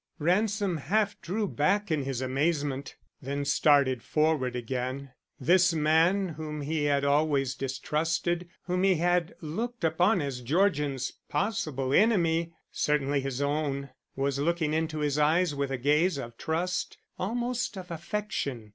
Ransom half drew back in his amazement. Then started forward again. This man whom he had always distrusted, whom he had looked upon as Georgian's possible enemy, certainly his own, was looking into his eyes with a gaze of trust, almost of affection.